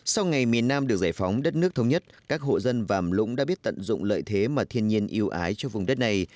sau ngày miền nam được giải phóng đất nước thống nhất các hộ dân vàm lũng đã biết tận dụng lợi thế mà thiên nhiên yêu ái cho vùng đất này